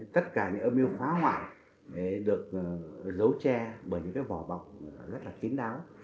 tất cả những âm mưu phá hoại được giấu che bởi những cái vỏ bọc rất là kín đáo